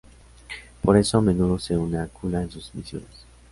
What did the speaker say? Por eso, a menudo se une a Kula en sus misiones.